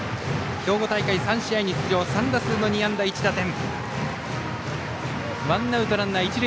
兵庫大会、３試合に出場３打数２安打１打点。